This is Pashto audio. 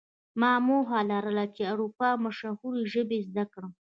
ما موخه لرله چې د اروپا مشهورې ژبې زده کړم